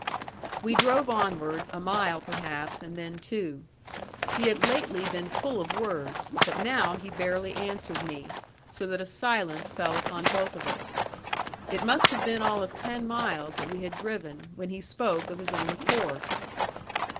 We drove onward, a mile perhaps, and then two. He had lately been full of words, but now he barely answered me, so that a silence fell upon both of us. It must have been all of ten miles that we had driven when he spoke of his own accord.